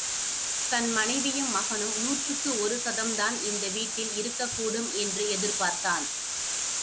தன் மனைவியும், மகனும் நூற்றுக்கு ஒரு சதம்தான் இந்த வீட்டில் இருக்கக் கூடும் என்று எதிர்பார்த்தான்.